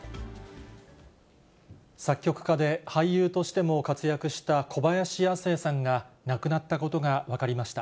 作曲家で俳優としても活躍した小林亜星さんが亡くなったことが分かりました。